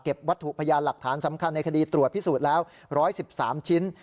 วัตถุพยานหลักฐานสำคัญในคดีตรวจพิสูจน์แล้ว๑๑๓ชิ้น